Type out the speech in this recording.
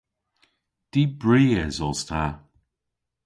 Dibries os ta.